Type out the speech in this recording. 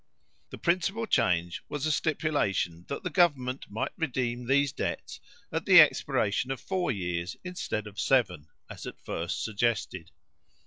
The principal change was a stipulation that the government might redeem these debts at the expiration of four years, instead of seven, as at first suggested.